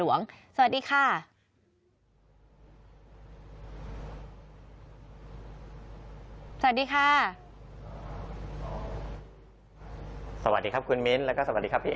สวัสดีครับพี่แอกสวัสดีครับ